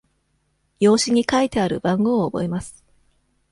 用紙に書いてある番号を覚えます。